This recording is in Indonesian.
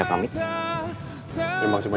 engkau jauh di mata